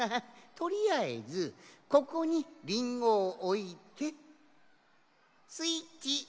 とりあえずここにリンゴをおいてスイッチオン！